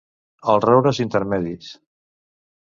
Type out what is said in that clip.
Els roures intermedis.